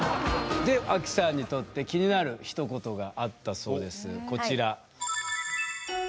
でアキさんにとって気になるひと言があったそうですこちら。